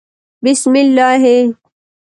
بسم الله